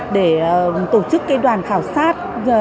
để tổ chức đoàn khảo sát